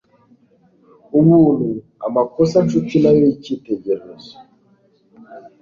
Ubuntu amakosa nshuti nayo yicyitegererezo